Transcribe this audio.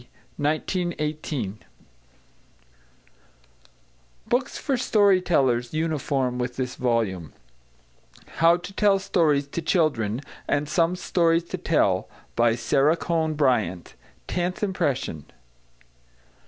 1918 =Books for Story Tellers= UNIFORM WITH THIS VOLUME =How to Tell Stories to Children= And Some Stories to Tell. By SARA CONE BRYANT. Tenth Impression.